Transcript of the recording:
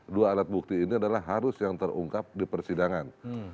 dua alat bukti ini adalah harus yang terungkap di persidangan